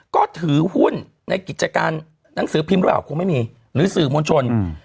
ก็ถือหุ้นในกิจการหนังสือพิมพ์หรือเปล่าคงไม่มีหรือสื่อมวลชน